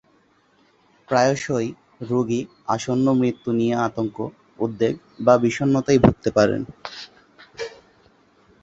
প্রায়শই রোগী আসন্ন মৃত্যু নিয়ে আতঙ্ক, উদ্বেগ বা বিষন্নতায় ভুগতে পারেন।